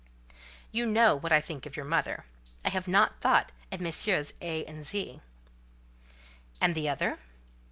"You know what I think of your mother. I have not thought of Messieurs A—— and Z——." "And the other?"